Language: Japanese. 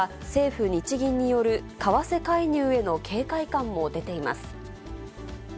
市場では、政府・日銀による為替介入への警戒感も出ています。